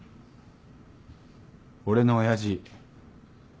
俺の親父。